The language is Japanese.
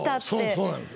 そうなんです。